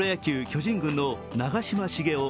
・巨人軍の長嶋茂雄